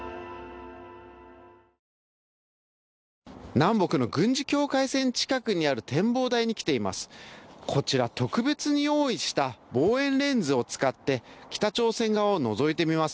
南北の軍事境界線近くにある展望台に来ています。